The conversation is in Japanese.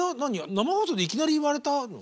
生放送でいきなり言われたの？